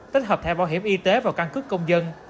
tích hợp thẻ bảo hiểm y tế vào căn cước công dân